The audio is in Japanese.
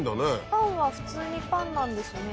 パンは普通にパンなんですね。